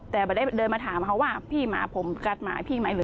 แต่ไม่ได้เดินมาถามเขาว่าพี่หมาผมกัดหมาพี่หมาเหลือ